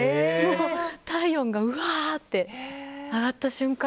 体温がうわーって上がった瞬間